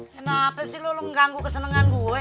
kenapa sih lu mengganggu kesenengan gue